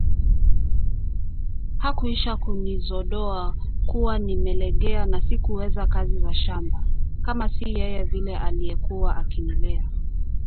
Hakuisha kunizodoa kuwa nimelegea na sikuweza kazi za shamba, kama si yeye vile aliyekuwa akinilea